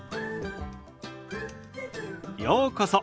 ようこそ。